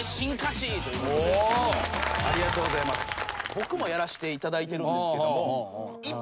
僕もやらせていただいてるんですけども。